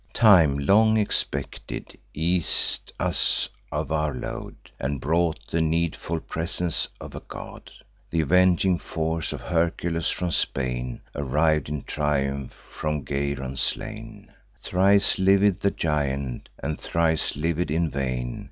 Time, long expected, eas'd us of our load, And brought the needful presence of a god. Th' avenging force of Hercules, from Spain, Arriv'd in triumph, from Geryon slain: Thrice liv'd the giant, and thrice liv'd in vain.